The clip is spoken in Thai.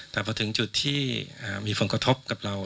แต่พอถึงจุดที่มีผลกระทบกับเรา